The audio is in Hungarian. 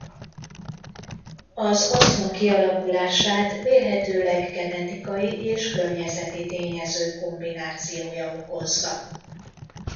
Az asztma kialakulását vélhetőleg genetikai és környezeti tényezők kombinációja okozza.